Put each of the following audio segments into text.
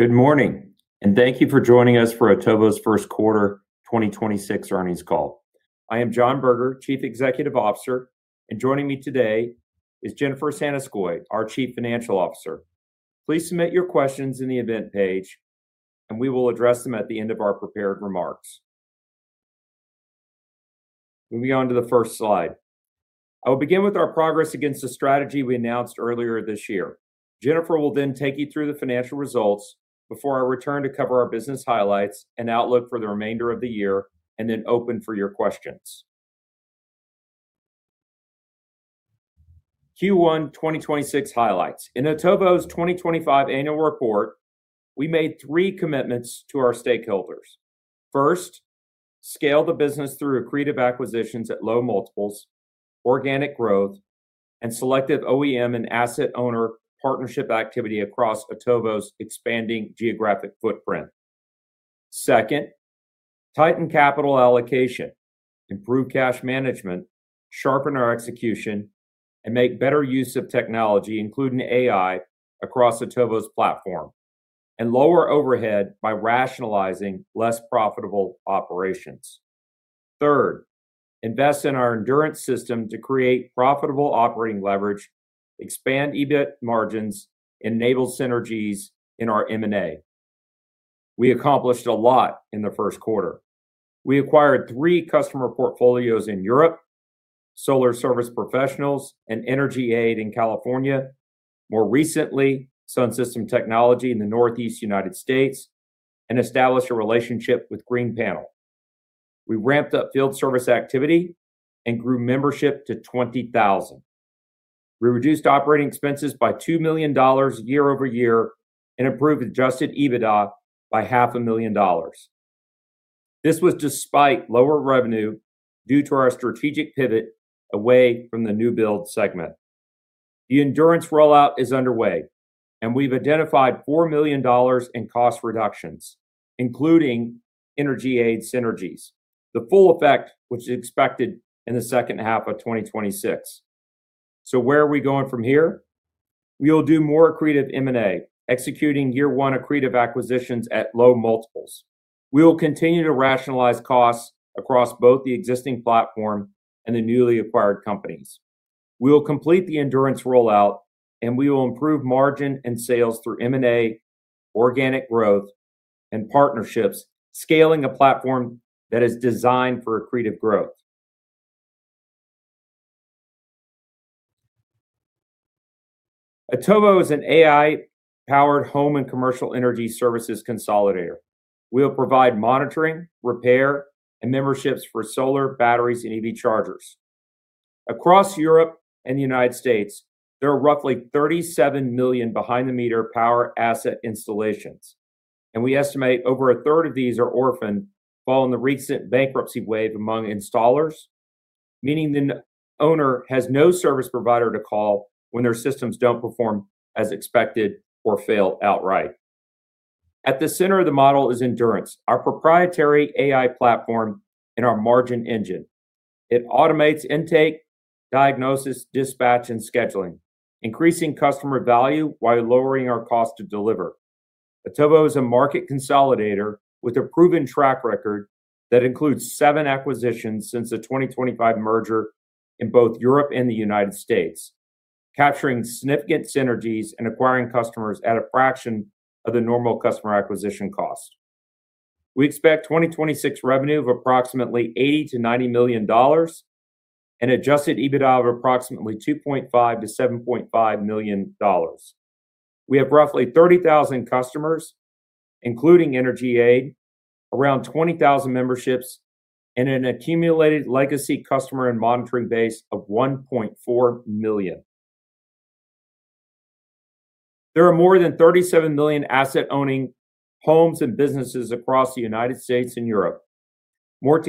Good morning, thank you for joining us for Otovo's first quarter 2026 earnings call. I am John Berger, Chief Executive Officer, and joining me today is Jennifer Santoscoy, our Chief Financial Officer. Please submit your questions in the event page and we will address them at the end of our prepared remarks. Moving on to the first slide. I will begin with our progress against the strategy we announced earlier this year. Jennifer will then take you through the financial results before I return to cover our business highlights and outlook for the remainder of the year, and then open for your questions. Q1 2026 highlights. In Otovo's 2025 annual report, we made three commitments to our stakeholders. First, scale the business through accretive acquisitions at low multiples, organic growth, and selective OEM and asset owner partnership activity across Otovo's expanding geographic footprint. Second, tighten capital allocation, improve cash management, sharpen our execution, and make better use of technology, including AI, across Otovo's platform. Lower overhead by rationalizing less profitable operations. Third, invest in our Endurance system to create profitable operating leverage, expand EBIT margins, enable synergies in our M&A. We accomplished a lot in the first quarter. We acquired three customer portfolios in Europe, Solar Service Professionals, and EnergyAid in California. More recently, SunSystem Technology in the Northeast U.S., and established a relationship with Green Panel. We ramped up field service activity and grew membership to 20,000. We reduced operating expenses by $2 million year-over-year and improved adjusted EBITDA by $0.5 million. This was despite lower revenue due to our strategic pivot away from the new build segment. The Endurance rollout is underway, and we've identified EUR 4 million in cost reductions, including EnergyAid synergies. The full effect of which is expected in the second half of 2026. Where are we going from here? We'll do more accretive M&A, executing year one accretive acquisitions at low multiples. We will continue to rationalize costs across both the existing platform and the newly acquired companies. We will complete the Endurance rollout. We will improve margin and sales through M&A, organic growth, and partnerships, scaling a platform that is designed for accretive growth. Otovo is an AI-powered home and commercial energy services consolidator. We'll provide monitoring, repair, and memberships for solar batteries and EV chargers. Across Europe and the U.S., there are roughly 37 million behind-the-meter power asset installations. We estimate over a third of these are orphaned following the recent bankruptcy wave among installers, meaning the owner has no service provider to call when their systems don't perform as expected or fail outright. At the center of the model is Endurance, our proprietary AI platform and our margin engine. It automates intake, diagnosis, dispatch, and scheduling, increasing customer value while lowering our cost to deliver. Otovo is a market consolidator with a proven track record that includes seven acquisitions since the 2025 merger in both Europe and the United States, capturing significant synergies and acquiring customers at a fraction of the normal customer acquisition cost. We expect 2026 revenue of approximately $80 million-$90 million and adjusted EBITDA of approximately $2.5 million-$7.5 million. We have roughly 30,000 customers, including EnergyAid, around 20,000 memberships, and an accumulated legacy customer and monitoring base of 1.4 million. There are more than 37 million asset-owning homes and businesses across the United States and Europe, more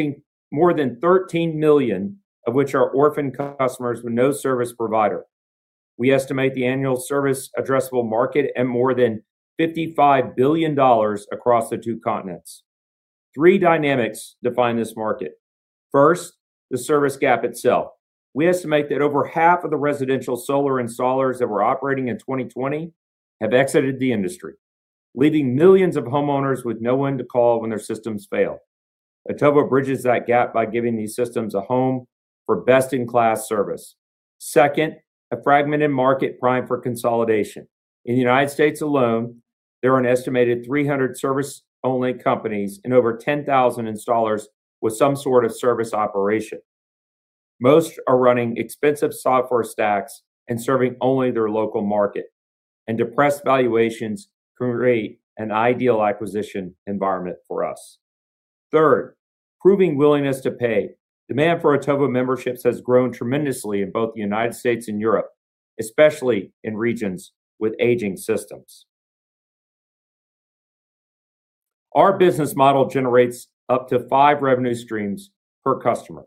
than 13 million of which are orphaned customers with no service provider. We estimate the annual Service Addressable Market at more than $55 billion across the two continents. Three dynamics define this market. First, the service gap itself. We estimate that over half of the residential solar installers that were operating in 2020 have exited the industry, leaving millions of homeowners with no one to call when their systems fail. Otovo bridges that gap by giving these systems a home for best-in-class service. Second, a fragmented market primed for consolidation. In the U.S. alone, there are an estimated 300 service-only companies and over 10,000 installers with some sort of service operation. Most are running expensive software stacks and serving only their local market. Depressed valuations create an ideal acquisition environment for us. Third, proving willingness to pay. Demand for Otovo memberships has grown tremendously in both the U.S. and Europe, especially in regions with aging systems. Our business model generates up to five revenue streams per customer,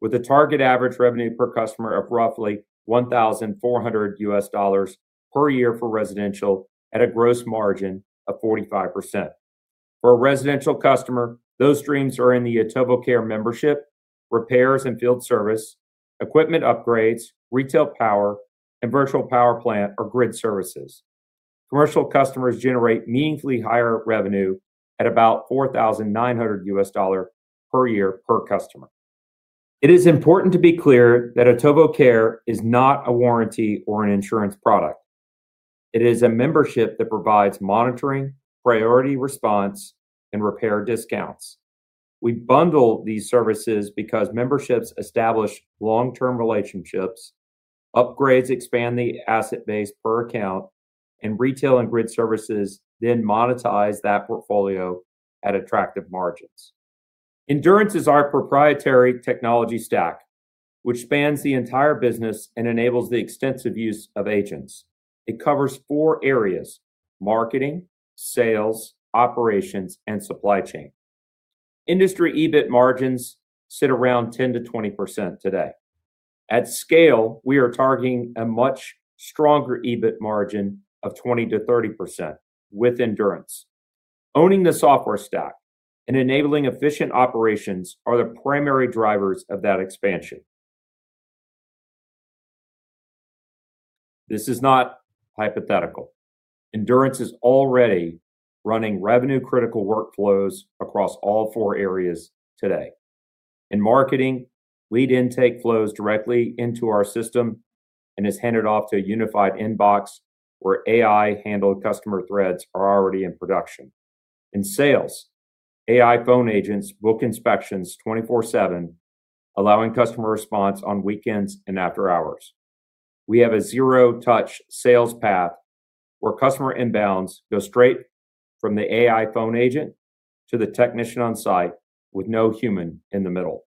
with a target average revenue per customer of roughly $1,400 per year for residential at a gross margin of 45%. For a residential customer, those streams are in the Otovo Care membership, repairs and field service, equipment upgrades, retail power, and Virtual Power Plant or Grid Services. Commercial customers generate meaningfully higher revenue at about $4,900 per year per customer. It is important to be clear that Otovo Care is not a warranty or an insurance product. It is a membership that provides monitoring, priority response, and repair discounts. We bundle these services because memberships establish long-term relationships, upgrades expand the asset base per account, and retail and grid services then monetize that portfolio at attractive margins. Endurance is our proprietary technology stack, which spans the entire business and enables the extensive use of agents. It covers four areas: marketing, sales, operations, and supply chain. Industry EBIT margins sit around 10%-20% today. At scale, we are targeting a much stronger EBIT margin of 20%-30% with Endurance. Owning the software stack and enabling efficient operations are the primary drivers of that expansion. This is not hypothetical. Endurance is already running revenue-critical workflows across all four areas today. In marketing, lead intake flows directly into our system and is handed off to a unified inbox where AI-handled customer threads are already in production. In sales, AI phone agents book inspections 24/7, allowing customer response on weekends and after hours. We have a zero-touch sales path where customer inbounds go straight from the AI phone agent to the technician on site with no human in the middle.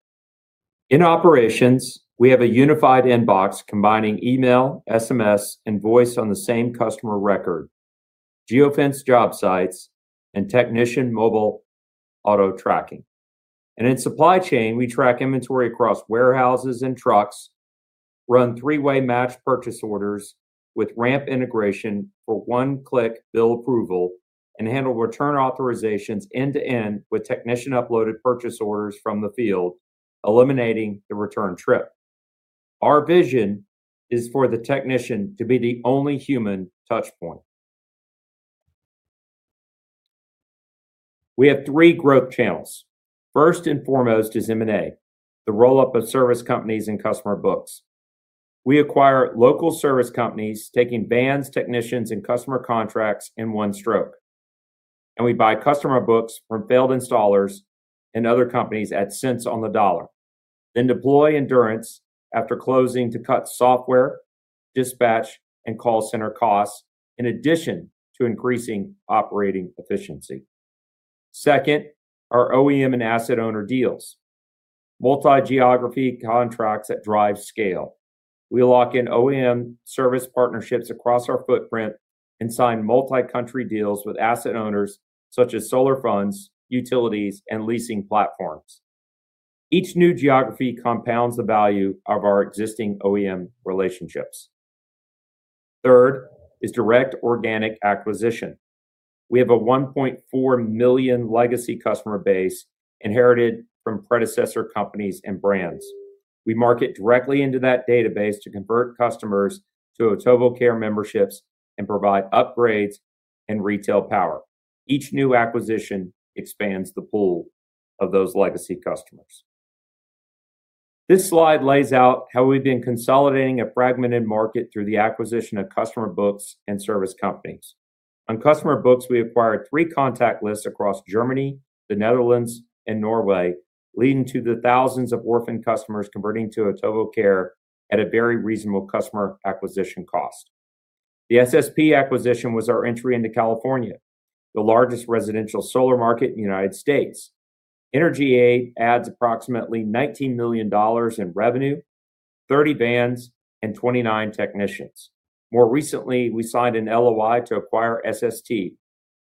In operations, we have a unified inbox combining email, SMS, and voice on the same customer record, geofence job sites, and technician mobile auto-tracking. In supply chain, we track inventory across warehouses and trucks, run three-way matched purchase orders with Ramp integration for one-click bill approval, and handle return authorizations end-to-end with technician-uploaded purchase orders from the field, eliminating the return trip. Our vision is for the technician to be the only human touchpoint. We have three growth channels. First and foremost is M&A, the roll-up of service companies and customer books. We acquire local service companies, taking vans, technicians, and customer contracts in one stroke, and we buy customer books from failed installers and other companies at cents on the dollar, then deploy Endurance after closing to cut software, dispatch, and call center costs, in addition to increasing operating efficiency. Second are OEM and asset owner deals, multi-geography contracts that drive scale. We lock in OEM service partnerships across our footprint and sign multi-country deals with asset owners such as solar funds, utilities, and leasing platforms. Each new geography compounds the value of our existing OEM relationships. Third is direct organic acquisition. We have a 1.4 million legacy customer base inherited from predecessor companies and brands. We market directly into that database to convert customers to Otovo Care memberships and provide upgrades and retail power. Each new acquisition expands the pool of those legacy customers. This slide lays out how we've been consolidating a fragmented market through the acquisition of customer books and service companies. On customer books, we acquired three contact lists across Germany, the Netherlands, and Norway, leading to the thousands of orphan customers converting to Otovo Care at a very reasonable customer acquisition cost. The SSP acquisition was our entry into California, the largest residential solar market in the U.S. EnergyAid adds approximately $19 million in revenue, 30 vans, and 29 technicians. More recently, we signed an LOI to acquire SST,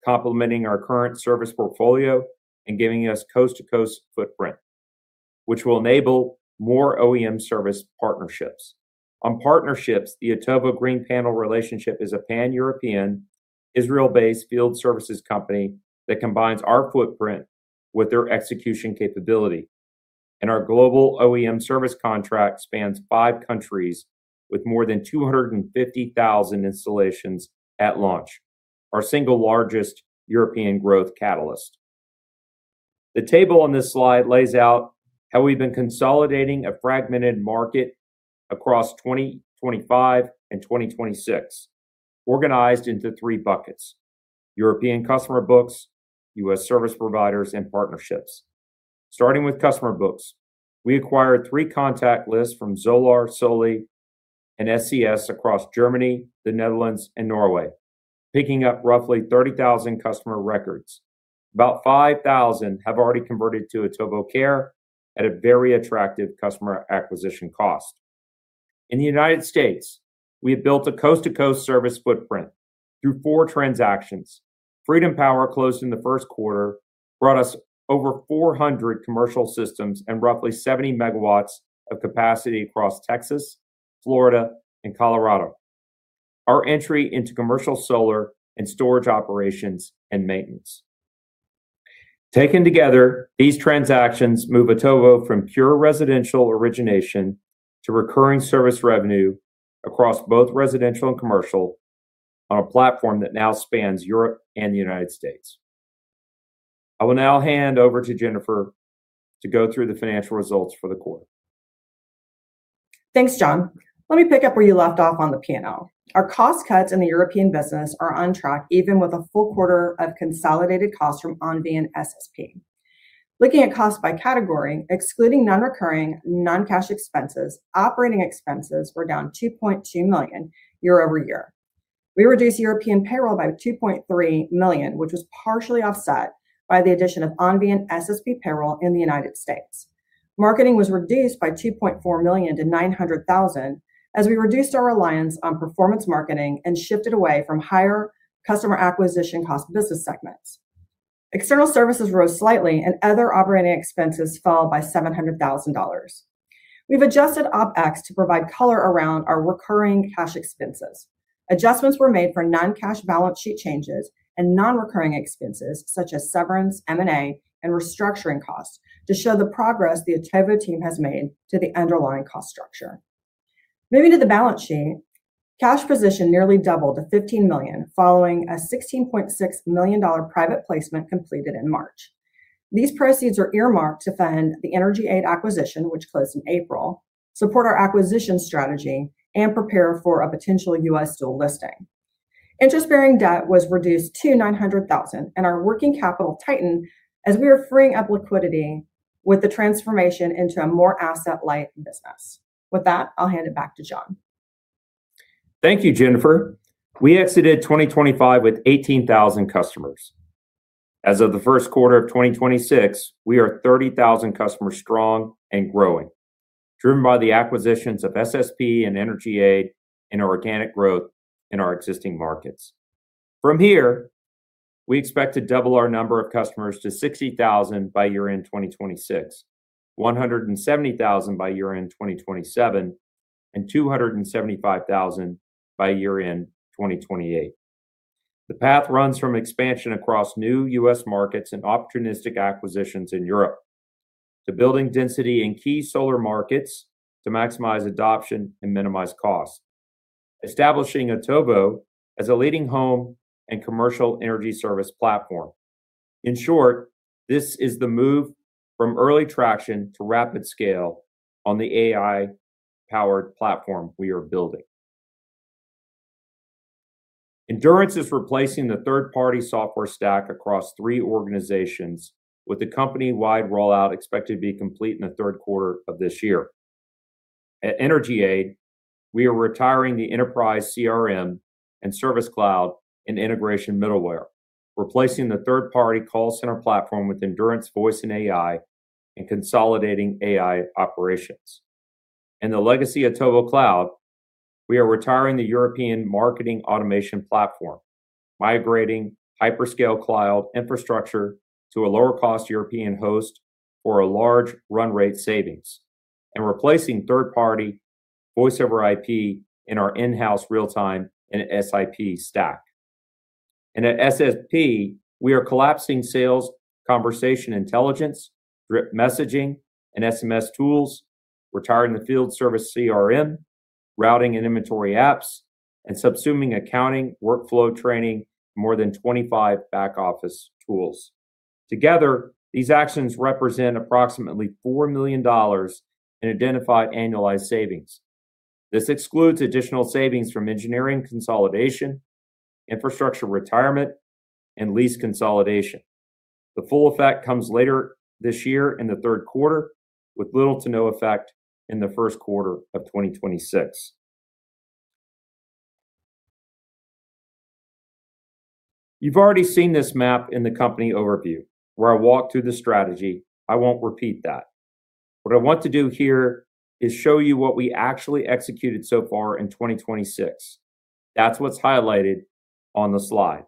complementing our current service portfolio and giving us coast-to-coast footprint, which will enable more OEM service partnerships. On partnerships, the Otovo Green Panel relationship is a pan-European, Israel-based field services company that combines our footprint with their execution capability. Our global OEM service contract spans five countries with more than 250,000 installations at launch, our single largest European growth catalyst. The table on this slide lays out how we've been consolidating a fragmented market across 2025 and 2026, organized into three buckets: European customer books, U.S. service providers, and partnerships. Starting with customer books, we acquired three contact lists from Zolar, Soly, and SES across Germany, the Netherlands, and Norway, picking up roughly 30,000 customer records. About 5,000 have already converted to Otovo Care at a very attractive customer acquisition cost. In the U.S., we have built a coast-to-coast service footprint through four transactions. Freedom Power closed in the first quarter, brought us over 400 commercial systems and roughly 70 MW of capacity across Texas, Florida, and Colorado. Our entry into commercial solar and storage operations and maintenance. Taken together, these transactions move Otovo from pure residential origination to recurring service revenue across both residential and commercial on a platform that now spans Europe and the U.S. I will now hand over to Jennifer to go through the financial results for the quarter. Thanks, John. Let me pick up where you left off on the P&L. Our cost cuts in the European business are on track, even with a full quarter of consolidated costs from Onvis and SSP. Looking at costs by category, excluding non-recurring non-cash expenses, operating expenses were down 2.2 million year-over-year. We reduced European payroll by 2.3 million, which was partially offset by the addition of Onvis and SSP payroll in the United States. Marketing was reduced by 2.4 million to 900,000 as we reduced our reliance on performance marketing and shifted away from higher customer acquisition cost business segments. External services rose slightly, other operating expenses fell by EUR 700,000. We've adjusted OpEx to provide color around our recurring cash expenses. Adjustments were made for non-cash balance sheet changes and non-recurring expenses such as severance, M&A, and restructuring costs to show the progress the Otovo team has made to the underlying cost structure. Moving to the balance sheet, cash position nearly doubled to 15 million, following a EUR 16.6 million private placement completed in March. These proceeds are earmarked to fund the EnergyAid acquisition, which closed in April, support our acquisition strategy, and prepare for a potential U.S. dual listing. Interest-bearing debt was reduced to 900,000, and our working capital tightened as we are freeing up liquidity with the transformation into a more asset-light business. With that, I'll hand it back to John. Thank you, Jennifer. We exited 2025 with 18,000 customers. As of the first quarter of 2026, we are 30,000 customers strong and growing, driven by the acquisitions of SSP and EnergyAid and our organic growth in our existing markets. From here, we expect to double our number of customers to 60,000 by year-end 2026, 170,000 by year-end 2027, and 275,000 by year-end 2028. The path runs from expansion across new U.S. markets and opportunistic acquisitions in Europe to building density in key solar markets to maximize adoption and minimize costs, establishing Otovo as a leading home and commercial energy service platform. In short, this is the move from early traction to rapid scale on the AI-powered platform we are building. Endurance is replacing the third-party software stack across three organizations, with the company-wide rollout expected to be complete in the third quarter of this year. At EnergyAid, we are retiring the enterprise CRM and service cloud and integration middleware, replacing the third-party call center platform with Endurance Voice and AI and consolidating AI operations. In the legacy Otovo Cloud, we are retiring the European marketing automation platform, migrating hyperscale cloud infrastructure to a lower-cost European host for a large run rate savings, and replacing third-party voiceover IP in our in-house real-time and SIP stack. At SSP, we are collapsing sales, conversation intelligence, drip messaging, and SMS tools, retiring the field service CRM, routing and inventory apps, and subsuming accounting, workflow training, more than 25 back-office tools. Together, these actions represent approximately $4 million in identified annualized savings. This excludes additional savings from engineering consolidation, infrastructure retirement, and lease consolidation. The full effect comes later this year in the third quarter, with little to no effect in the first quarter of 2026. You've already seen this map in the company overview, where I walked through the strategy. I won't repeat that. What I want to do here is show you what we actually executed so far in 2026. That's what's highlighted on the slide.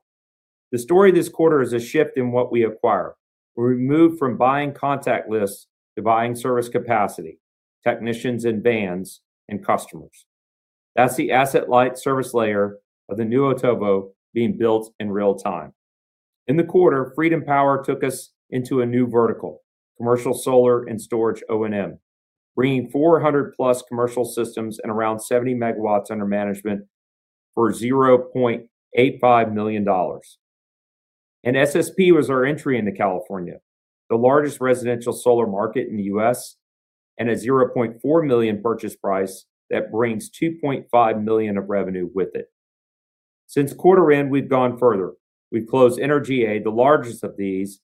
The story this quarter is a shift in what we acquire. Where we've moved from buying contact lists to buying service capacity, technicians and vans, and customers. That's the asset-light service layer of the new Otovo being built in real time. In the quarter, Freedom Power took us into a new vertical, commercial solar and storage O&M, bringing 400+ commercial systems and around 70 MW under management for $0.85 million. SSP was our entry into California, the largest residential solar market in the U.S., and a $0.4 million purchase price that brings $2.5 million of revenue with it. Since quarter end, we've gone further. We've closed EnergyAid, the largest of these,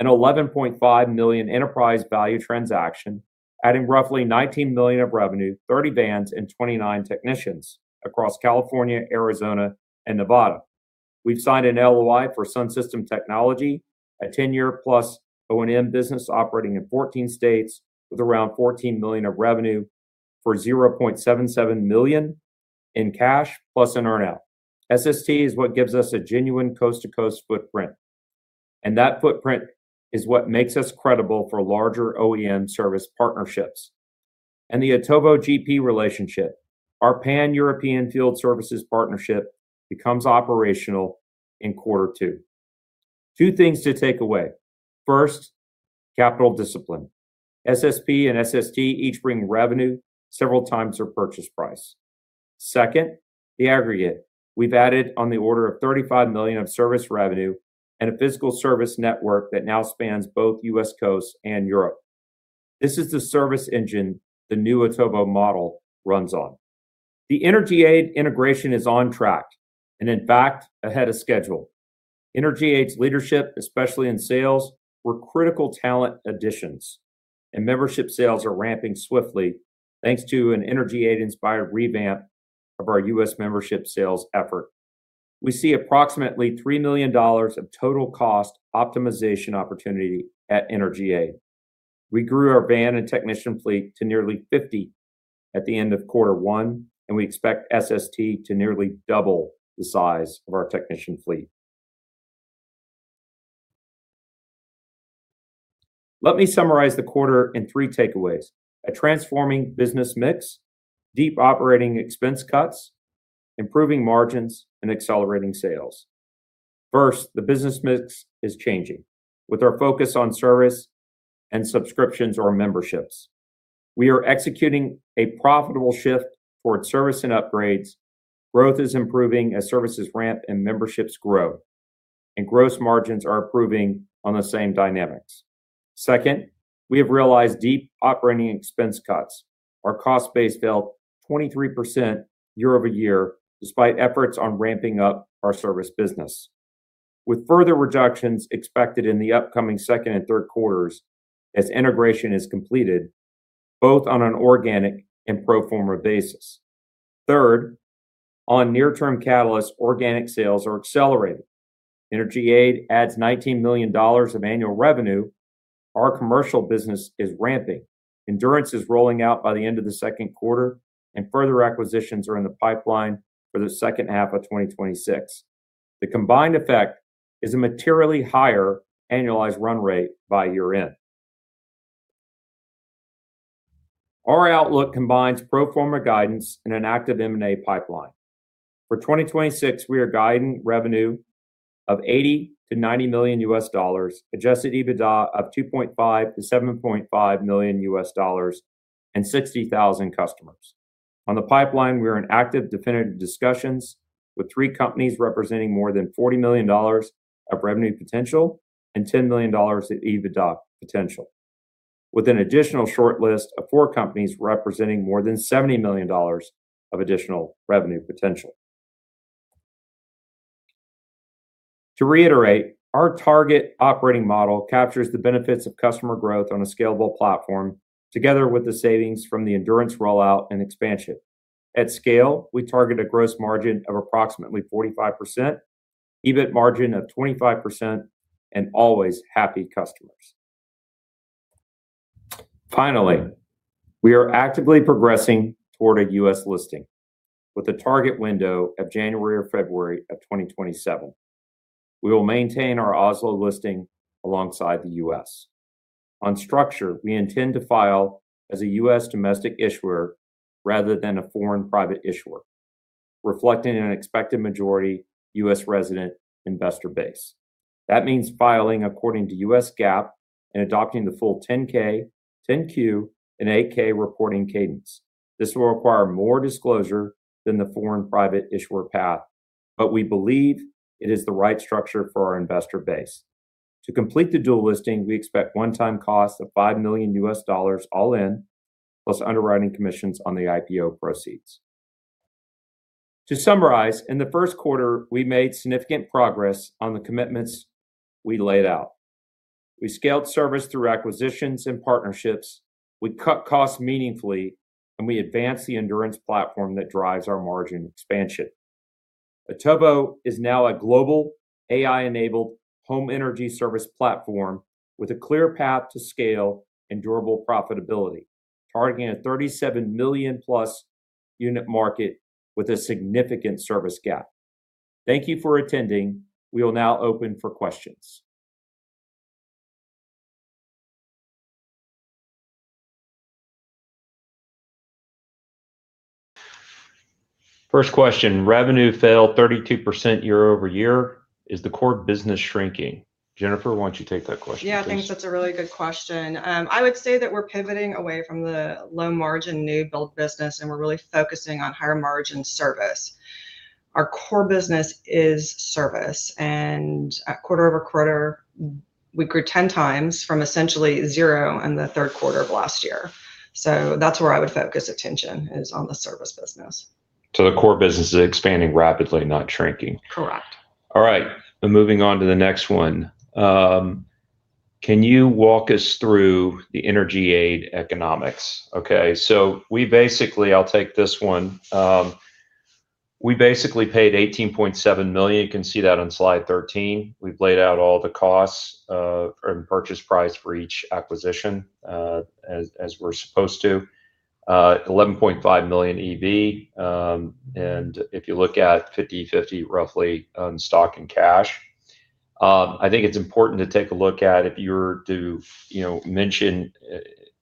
a $11.5 million Enterprise Value transaction, adding roughly $19 million of revenue, 30 vans, and 29 technicians across California, Arizona, and Nevada. We've signed an LOI for SunSystem Technology, a 10 year+ O&M business operating in 14 states with around $14 million of revenue for $0.77 million in cash plus an earnout. SST is what gives us a genuine coast-to-coast footprint. That footprint is what makes us credible for larger OEM service partnerships. The Otovo GP relationship, our Pan-European field services partnership becomes operational in quarter two. Two things to take away. First, capital discipline. SSP and SST each bring revenue several times their purchase price. Second, the aggregate. We've added on the order of $35 million of service revenue and a physical service network that now spans both U.S. coasts and Europe. This is the service engine the new Otovo model runs on. The EnergyAid integration is on track, and in fact, ahead of schedule. EnergyAid's leadership, especially in sales, were critical talent additions, and membership sales are ramping swiftly thanks to an EnergyAid-inspired revamp of our U.S. membership sales effort. We see approximately $3 million of total cost optimization opportunity at EnergyAid. We grew our van and technician fleet to nearly 50 at the end of quarter one, and we expect SST to nearly double the size of our technician fleet. Let me summarize the quarter in three takeaways. A transforming business mix, deep operating expense cuts, improving margins, and accelerating sales. First, the business mix is changing. With our focus on service and subscriptions or memberships, we are executing a profitable shift towards service and upgrades. Growth is improving as services ramp and memberships grow, and gross margins are improving on the same dynamics. Second, we have realized deep operating expense cuts. Our cost base fell 23% year-over-year, despite efforts on ramping up our service business, with further reductions expected in the upcoming second and third quarters as integration is completed, both on an organic and pro forma basis. Third, on near-term catalysts, organic sales are accelerating. EnergyAid adds $19 million of annual revenue. Our commercial business is ramping. Endurance is rolling out by the end of the second quarter, and further acquisitions are in the pipeline for the second half of 2026. The combined effect is a materially higher annualized run rate by year-end. Our outlook combines pro forma guidance and an active M&A pipeline. For 2026, we are guiding revenue of $80 million-$90 million, adjusted EBITDA of $2.5 million-$7.5 million, and 60,000 customers. On the pipeline, we are in active definitive discussions with three companies representing more than $40 million of revenue potential and $10 million of EBITDA potential, with an additional short list of four companies representing more than $70 million of additional revenue potential. To reiterate, our target operating model captures the benefits of customer growth on a scalable platform, together with the savings from the Endurance rollout and expansion. At scale, we target a gross margin of approximately 45%, EBIT margin of 25%, and always happy customers. Finally, we are actively progressing toward a U.S. listing with a target window of January or February of 2027. We will maintain our Oslo listing alongside the U.S. On structure, we intend to file as a U.S. domestic issuer rather than a foreign private issuer, reflecting an expected majority U.S.-resident investor base. That means filing according to U.S. GAAP and adopting the full 10-K, 10-Q, and 8-K reporting cadence. This will require more disclosure than the foreign private issuer path, but we believe it is the right structure for our investor base. To complete the dual listing, we expect one-time costs of $5 million all in, plus underwriting commissions on the IPO proceeds. To summarize, in the first quarter, we made significant progress on the commitments we laid out. We scaled service through acquisitions and partnerships, we cut costs meaningfully, and we advanced the Endurance platform that drives our margin expansion. Otovo is now a global AI-enabled home energy service platform with a clear path to scale and durable profitability, targeting a 37 million+ unit market with a significant service gap. Thank you for attending. We will now open for questions. First question. Revenue fell 32% year-over-year. Is the core business shrinking? Jennifer, why don't you take that question, please? Yeah, I think that's a really good question. I would say that we're pivoting away from the low-margin new build business, and we're really focusing on higher-margin service. Our core business is service, and quarter-over-quarter, we grew 10x from essentially zero in the third quarter of last year. So that's where I would focus attention is on the service business. The core business is expanding rapidly, not shrinking. Correct. All right. Moving on to the next one. Can you walk us through the EnergyAid economics? Okay. I'll take this one. We basically paid $18.7 million. You can see that on slide 13. We've laid out all the costs and purchase price for each acquisition, as we're supposed to $11.5 million Enterprise Value. If you look at 50/50, roughly, on stock and cash. I think it's important to take a look at, if you were to mention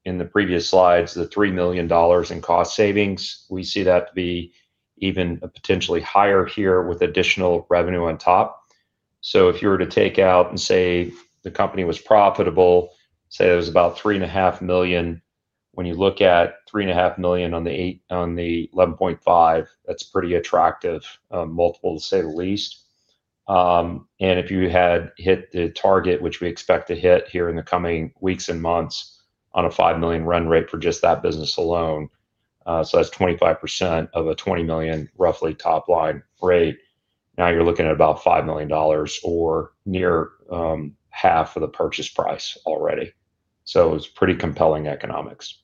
in the previous slides the $3 million in cost savings, we see that to be even potentially higher here with additional revenue on top. If you were to take out and say the company was profitable, say it was about $3.5 million, when you look at $3.5 million on the $11.5, that's pretty attractive multiple, to say the least. If you had hit the target, which we expect to hit here in the coming weeks and months on a $5 million run rate for just that business alone. That's 25% of a $20 million, roughly, top line rate. You're looking at about $5 million or near half of the purchase price already. It's pretty compelling economics.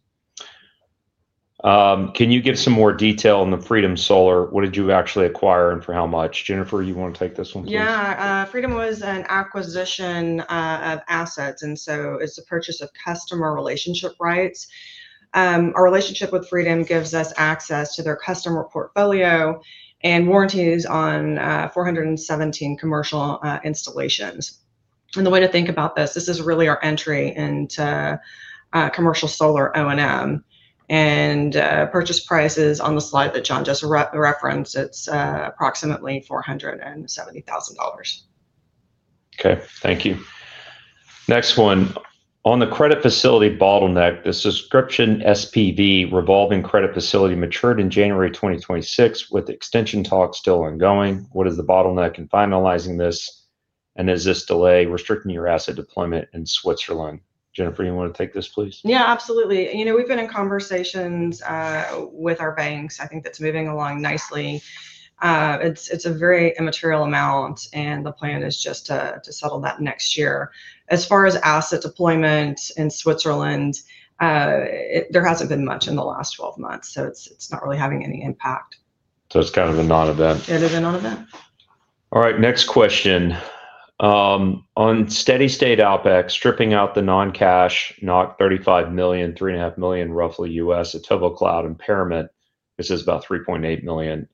"Can you give some more detail on the Freedom Solar? What did you actually acquire and for how much?" Jennifer, you want to take this one, please? Yeah. Freedom was an acquisition of assets, and so it's the purchase of customer relationship rights. Our relationship with Freedom gives us access to their customer portfolio and warranties on 417 commercial installations. The way to think about this is really our entry into commercial solar O&M. Purchase price is on the slide that John just referenced. It's approximately $470,000. Okay. Thank you. Next one. "On the credit facility bottleneck, the subscription SPV revolving credit facility matured in January 2026, with extension talks still ongoing. What is the bottleneck in finalizing this, and is this delay restricting your asset deployment in Switzerland?" Jennifer, you want to take this, please? Yeah, absolutely. We've been in conversations with our banks. I think that's moving along nicely. It's a very immaterial amount. The plan is just to settle that next year. As far as asset deployment in Switzerland, there hasn't been much in the last 12 months. It's not really having any impact. It's kind of a non-event. It is a non-event. All right. Next question. On steady state OpEx, stripping out the non-cash $35 million, $3.5 million, roughly, U.S. Otovo Cloud impairment, this is about $3.8 million.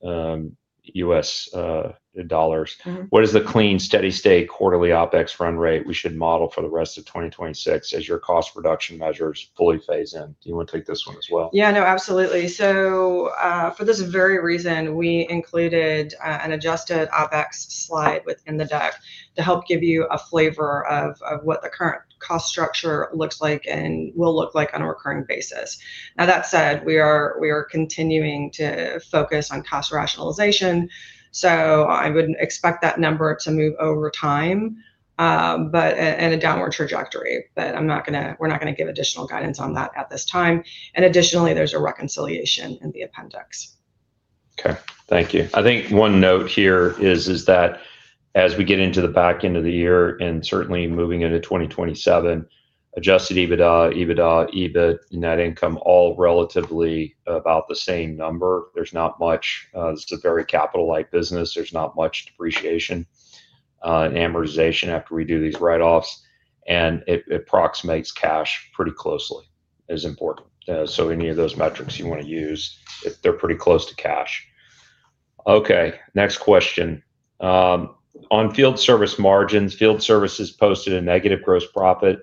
What is the clean, steady state quarterly OpEx run rate we should model for the rest of 2026 as your cost reduction measures fully phase in? You want to take this one as well? Absolutely. For this very reason, we included an adjusted OpEx slide within the deck to help give you a flavor of what the current cost structure looks like and will look like on a recurring basis. That said, we are continuing to focus on cost rationalization, I would expect that number to move over time, and a downward trajectory. We're not going to give additional guidance on that at this time. Additionally, there's a reconciliation in the appendix. Okay. Thank you. I think one note here is that as we get into the back end of the year and certainly moving into 2027, adjusted EBITDA, EBIT, net income, all relatively about the same number. This is a very capital-light business. There's not much depreciation and amortization after we do these write-offs, and it approximates cash pretty closely, is important. Any of those metrics you want to use, they're pretty close to cash. Okay, next question. "On field service margins, field services posted a negative gross profit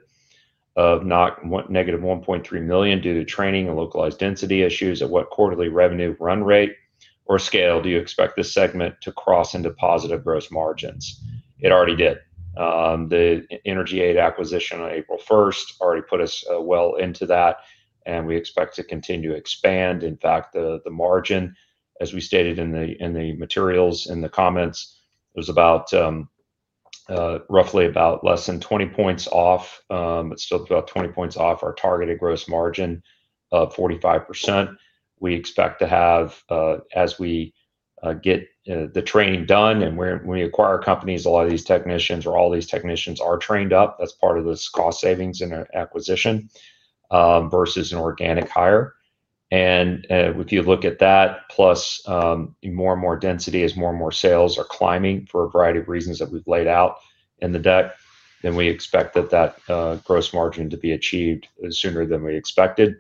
of -$1.3 million due to training and localized density issues. At what quarterly revenue run rate or scale do you expect this segment to cross into positive gross margins?" It already did. The EnergyAid acquisition on April 1st already put us well into that, and we expect to continue to expand. The margin, as we stated in the materials, in the comments, it was roughly about less than 20 points off, but still about 20 points off our targeted gross margin of 45%. We expect to have, as we get the training done and when we acquire companies, a lot of these technicians or all these technicians are trained up. That's part of this cost savings in an acquisition versus an organic hire. If you look at that, plus more and more density as more and more sales are climbing for a variety of reasons that we've laid out in the deck, we expect that gross margin to be achieved sooner than we expected.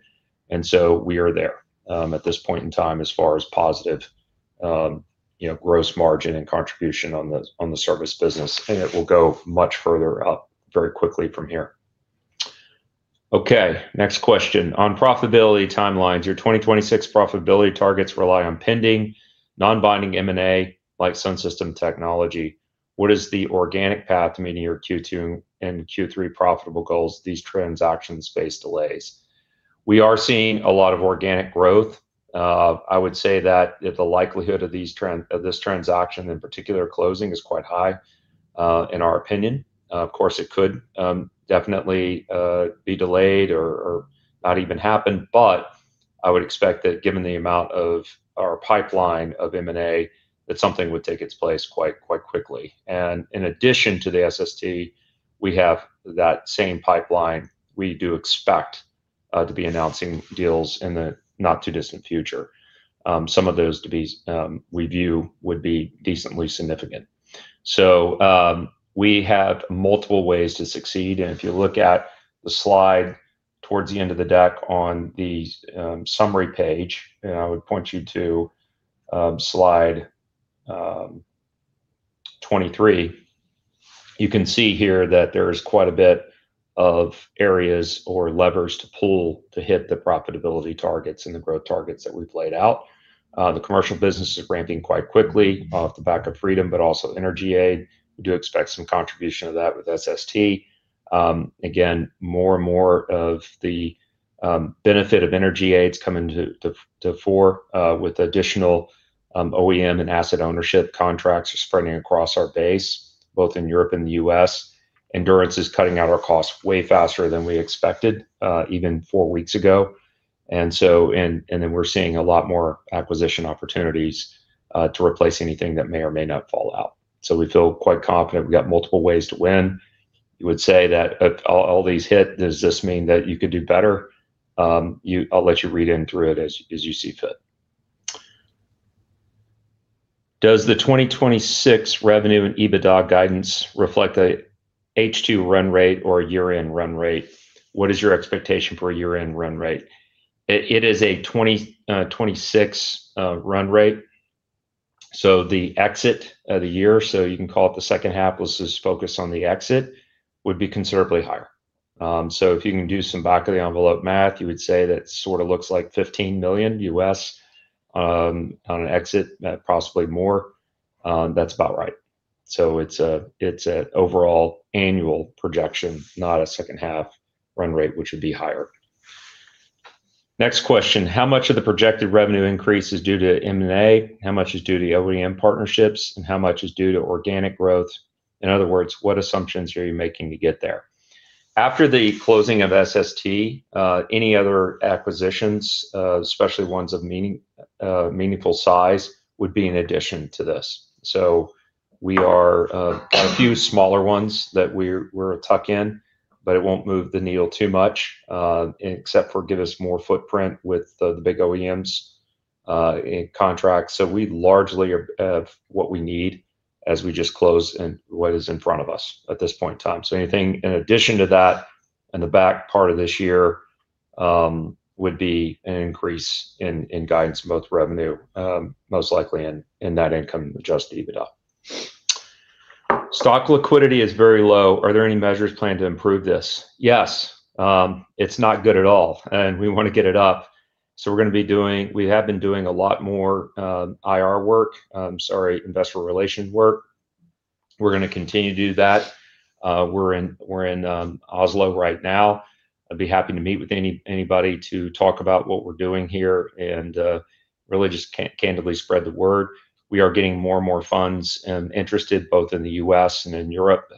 We are there at this point in time, as far as positive gross margin and contribution on the service business, it will go much further up very quickly from here. Okay, next question. "On profitability timelines, your 2026 profitability targets rely on pending non-binding M&A, like SunSystem Technology. What is the organic path meeting your Q2 and Q3 profitable goals these transactions face delays?" We are seeing a lot of organic growth. I would say that the likelihood of this transaction, in particular closing, is quite high in our opinion. Of course, it could definitely be delayed or not even happen. I would expect that given the amount of our pipeline of M&A, that something would take its place quite quickly. In addition to the SST, we have that same pipeline. We do expect to be announcing deals in the not-too-distant future. Some of those we view would be decently significant. We have multiple ways to succeed, if you look at the slide towards the end of the deck on the summary page, I would point you to slide 23. You can see here that there is quite a bit of areas or levers to pull to hit the profitability targets and the growth targets that we've laid out. The commercial business is ramping quite quickly off the back of Freedom Power, also EnergyAid. We do expect some contribution of that with SST. More and more of the benefit of EnergyAid's coming to fore with additional OEM and asset ownership contracts are spreading across our base, both in Europe and the U.S. Endurance is cutting out our costs way faster than we expected, even four weeks ago. We're seeing a lot more acquisition opportunities to replace anything that may or may not fall out. We feel quite confident we've got multiple ways to win. You would say that if all these hit, does this mean that you could do better? I'll let you read in through it as you see fit. Does the 2026 revenue and EBITDA guidance reflect a H2 run rate or a year-end run rate? What is your expectation for a year-end run rate? It is a 2026 run rate. The exit of the year, so you can call it the second half was this focus on the exit, would be considerably higher. If you can do some back of the envelope math, you would say that sort of looks like $15 million on an exit, possibly more. That's about right. It's an overall annual projection, not a second half run rate, which would be higher. Next question, "How much of the projected revenue increase is due to M&A? How much is due to the OEM partnerships, and how much is due to organic growth? In other words, what assumptions are you making to get there?" After the closing of SST, any other acquisitions, especially ones of meaningful size, would be in addition to this. A few smaller ones that we're a tuck-in, but it won't move the needle too much, except for give us more footprint with the big OEMs in contracts. We largely have what we need as we just close and what is in front of us at this point in time. Anything in addition to that in the back part of this year would be an increase in guidance, both revenue, most likely in that income-adjusted EBITDA. "Stock liquidity is very low. Are there any measures planned to improve this? Yes. It's not good at all. We want to get it up. We have been doing a lot more IR work, sorry, Investor Relations work. We're going to continue to do that. We're in Oslo right now. I'd be happy to meet with anybody to talk about what we're doing here and really just candidly spread the word. We are getting more and more funds interested both in the U.S. and in Europe.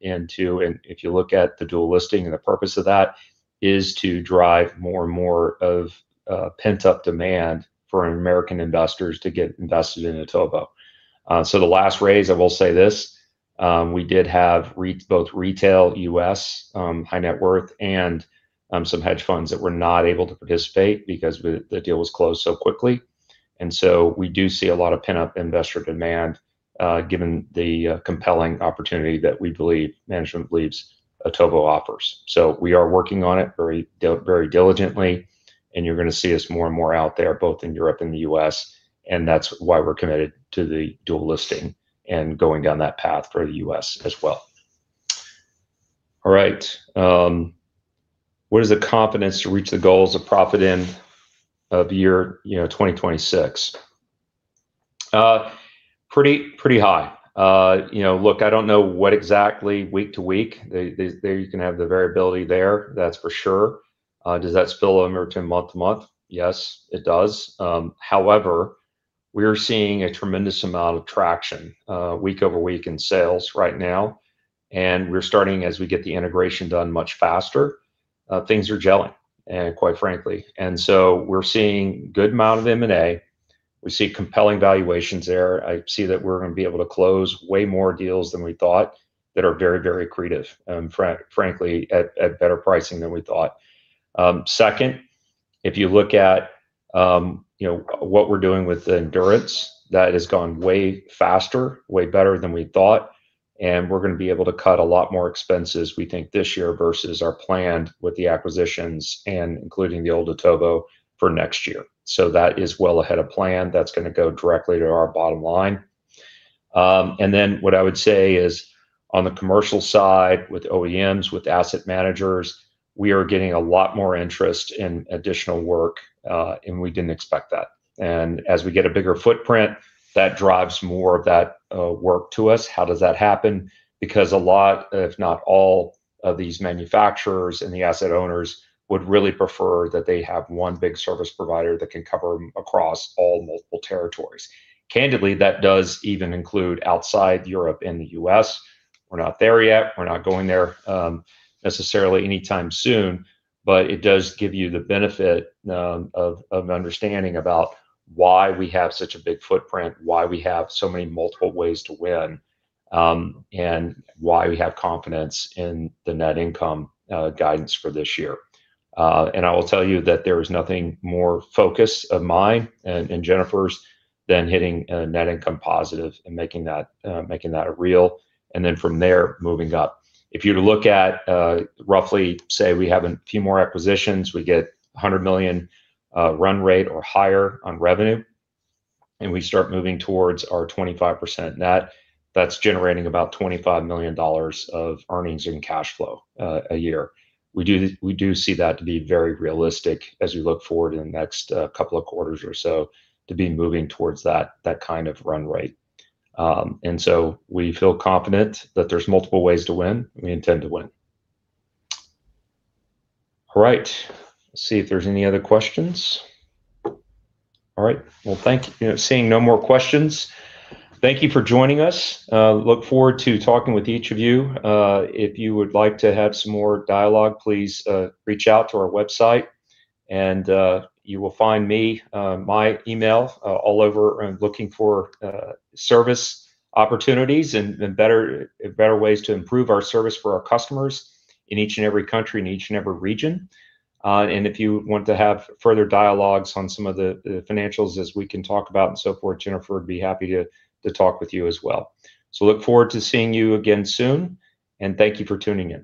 If you look at the dual listing and the purpose of that is to drive more and more of pent-up demand for American investors to get invested in Otovo. The last raise, I will say this, we did have both retail U.S., high net worth, and some hedge funds that were not able to participate because the deal was closed so quickly. We do see a lot of pent-up investor demand, given the compelling opportunity that we believe, management believes Otovo offers. We are working on it very diligently, and you're going to see us more and more out there, both in Europe and the U.S., and that's why we're committed to the dual listing and going down that path for the U.S. as well. All right. What is the confidence to reach the goals of profit end of year 2026? Pretty high. Look, I don't know what exactly week to week. You can have the variability there, that's for sure. Does that spill over to month to month? Yes, it does. However, we are seeing a tremendous amount of traction week over week in sales right now, and we're starting as we get the integration done much faster. Things are gelling, quite frankly. We're seeing good amount of M&A. We see compelling valuations there. I see that we're going to be able to close way more deals than we thought that are very accretive, and frankly, at better pricing than we thought. Second, if you look at what we're doing with Endurance, that has gone way faster, way better than we thought, and we're going to be able to cut a lot more expenses we think this year versus our plan with the acquisitions and including the old Otovo for next year. That is well ahead of plan. That's going to go directly to our bottom line. What I would say is on the commercial side with OEMs, with asset managers, we are getting a lot more interest in additional work, and we didn't expect that. As we get a bigger footprint, that drives more of that work to us. How does that happen? A lot, if not all of these manufacturers and the asset owners would really prefer that they have one big service provider that can cover across all multiple territories. Candidly, that does even include outside Europe and the U.S. We're not there yet. We're not going there necessarily anytime soon, but it does give you the benefit of an understanding about why we have such a big footprint, why we have so many multiple ways to win, and why we have confidence in the net income guidance for this year. I will tell you that there is nothing more focus of mine and Jennifer's than hitting a net income positive and making that real, and then from there, moving up. If you were to look at roughly, say we have a few more acquisitions, we get a $100 million run rate or higher on revenue, and we start moving towards our 25% net, that's generating about $25 million of earnings in cash flow a year. We do see that to be very realistic as we look forward in the next couple of quarters or so to be moving towards that kind of run rate. We feel confident that there's multiple ways to win, and we intend to win. All right. Let's see if there's any other questions. All right. Well, thank you. Seeing no more questions. Thank you for joining us. Look forward to talking with each of you. If you would like to have some more dialogue, please reach out to our website and you will find me, my email all over. I'm looking for service opportunities and better ways to improve our service for our customers in each and every country, in each and every region. If you want to have further dialogues on some of the financials as we can talk about and so forth, Jennifer would be happy to talk with you as well. Look forward to seeing you again soon, and thank you for tuning in.